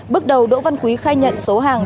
bước đầu đỗ văn quý khai nhận số hàng